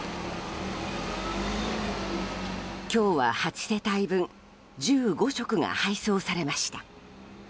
今日は８世帯分１５食が配送されました。